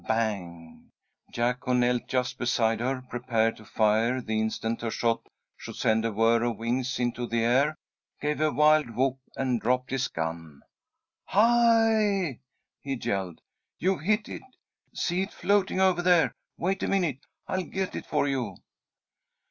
Bang! Jack, who knelt just beside her, prepared to fire the instant her shot should send a whir of wings into the air, gave a wild whoop, and dropped his gun. "Hi!" he yelled. "You've hit it! See it floating over there! Wait a minute. I'll get it for you!"